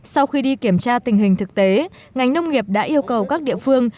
sau khi đi kiểm tra tình hình thực tế ngành nông nghiệp đã yêu cầu các địa phương